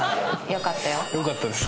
よかったよ。